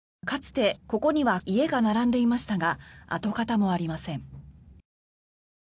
かつて、ここには家が並んでいましたが跡形もありません。